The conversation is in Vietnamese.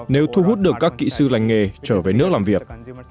nếu thu hút được các kỹ sư lành nghề trở về nước làm việc